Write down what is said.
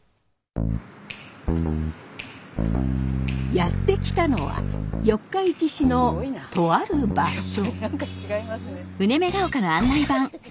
やって来たのは四日市市のとある場所。